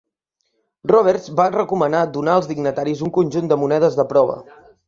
Roberts va recomanar donar als dignitaris un conjunt de monedes de prova.